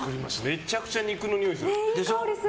めちゃくちゃ肉のにおいがする。